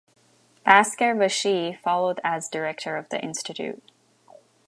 Basker Vashee followed as director of the Institute.